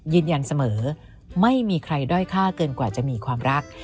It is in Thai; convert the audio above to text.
ยืนยันเสมอไม่มีใครด้อยค่าเกินกว่าจะมีความรัก